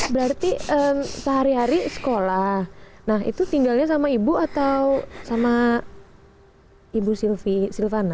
berarti sehari hari sekolah nah itu tinggalnya sama ibu atau sama ibu silvana